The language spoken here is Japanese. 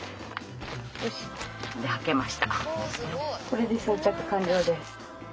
これで装着完了です。